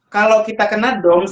kalau kita kena doms